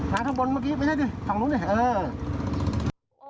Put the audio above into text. น้ำข้างบนเมื่อกี้ไม่ได้ด้วยข้างลุ้นนี่เออ